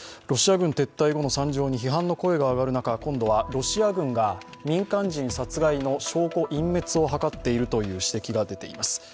ロシア軍撤退後の惨状に批判の声が上がる中、今度はロシア軍が民間人殺害の証拠隠滅を図っているという指摘が出ています。